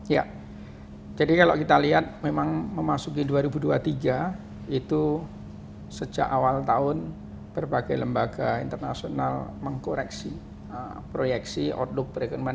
ya jadi kalau kita lihat memang memasuki dua ribu dua puluh tiga itu sejak awal tahun berbagai lembaga internasional mengkoreksi proyeksi outlook perekonomian